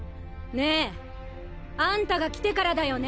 ねえあんたが来てからだよね。